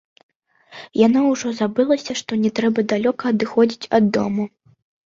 Яно ўжо забылася, што не трэба далёка адыходзіць ад дому.